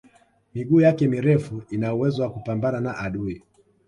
miguu yake mirefu ina uwezo wa kupambana na adui